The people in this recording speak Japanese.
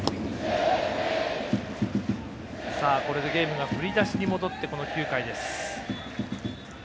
これでゲームが振り出しに戻ってこの９回です。